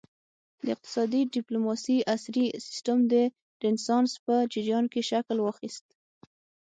د اقتصادي ډیپلوماسي عصري سیسټم د رینسانس په جریان کې شکل واخیست